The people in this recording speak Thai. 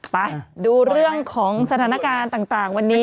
ไปดูเรื่องของสถานการณ์ต่างวันนี้